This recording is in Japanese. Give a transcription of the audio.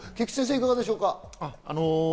いかがでしょう？